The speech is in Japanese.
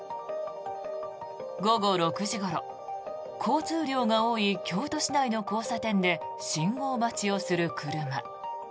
午後６時ごろ交通量が多い京都市内の交差点で信号待ちをする車。